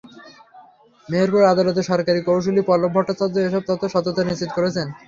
মেহেরপুর আদালতের সরকারি কৌঁসুলি পল্লব ভট্টাচার্য এসব তথ্যের সত্যতা নিশ্চিত করেছেন।